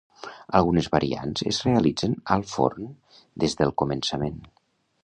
Algunes variants es realitzen al forn des del començament.